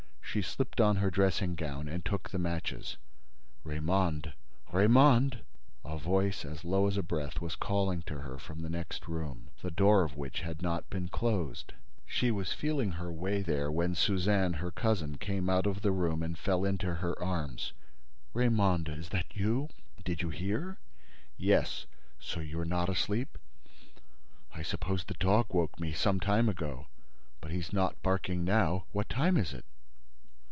She slipped on her dressing gown and took the matches. "Raymonde—Raymonde!" A voice as low as a breath was calling to her from the next room, the door of which had not been closed. She was feeling her way there, when Suzanne, her cousin, came out of the room and fell into her arms: "Raymonde—is that you? Did you hear—?" "Yes. So you're not asleep?" "I suppose the dog woke me—some time ago. But he's not barking now. What time is it?"